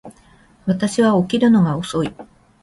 私は起きるのが遅い